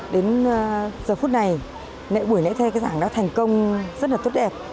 đến giờ phút này buổi lễ thay giảng đã thành công rất là tốt đẹp